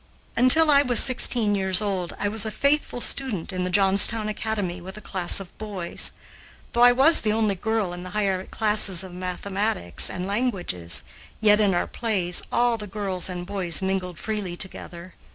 Until I was sixteen years old, I was a faithful student in the Johnstown Academy with a class of boys. Though I was the only girl in the higher classes of mathematics and the languages, yet, in our plays, all the girls and boys mingled freely together.